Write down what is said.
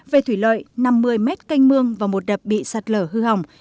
về thủy lợi năm mươi mét canh mương và một đập bị sạt lở hư hỏng